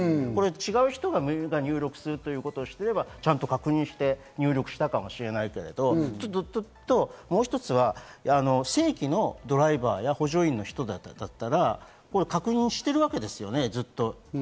違うが入力することをしていれば、ちゃんと確認して入力したかもしれないけれども、それともう一つ、正規のドライバーや補助員の人だったら確認しているわけですよね、ずっと。